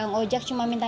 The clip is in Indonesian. nggak saja rever painter